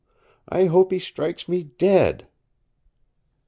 I hope he strikes me dead!"